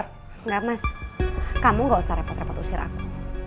enggak mas kamu gak usah repot repot usir aku